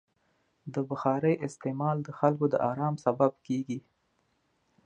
د بخارۍ استعمال د خلکو د ارام سبب کېږي.